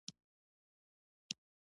ډيپلومات د هیواد عزت خوندي ساتي.